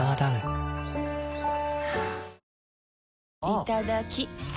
いただきっ！